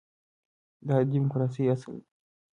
دا د ډیموکراسۍ اصل دی.